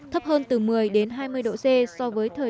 thấp hơn từ một mươi đến hai mươi độ